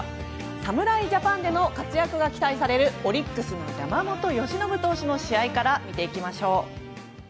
侍ジャパンでの活躍が期待されるオリックスの山本由伸投手の試合から見ていきましょう。